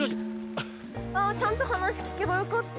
ちゃんと話聞けばよかった。